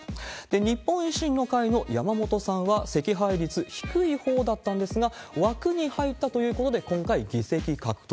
日本維新の会の山本さんは惜敗率低いほうだったんですが、枠に入ったということで、今回議席獲得。